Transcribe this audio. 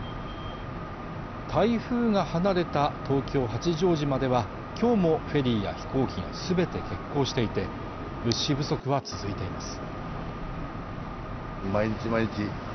台風が離れた東京・八丈島では今日もフェリーや飛行機がすべて欠航していて物資不足は続いています